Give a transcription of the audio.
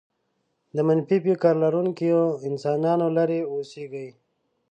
د منفي فكر لرونکو انسانانو لرې اوسېږئ.